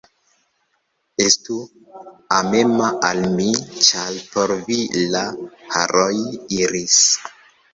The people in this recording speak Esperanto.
Estu amema al mi, ĉar por vi la haroj iris.